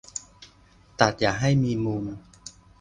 ตัดอย่าให้มีมุม